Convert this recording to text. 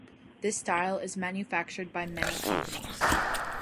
This style is manufactured by many companies.